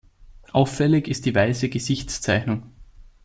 Auffällig ist die weiße Gesichtszeichnung.